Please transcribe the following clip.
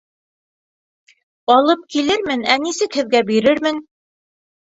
Алып килермен, ә нисек һеҙгә бирермен?